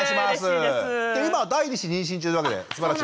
今第２子妊娠中なわけですばらしい。